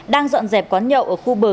đang dọn dẹp quán nhậu ở khu bờ